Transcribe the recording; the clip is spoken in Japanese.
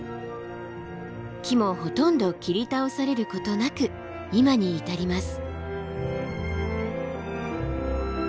木もほとんど切り倒されることなく今に至ります。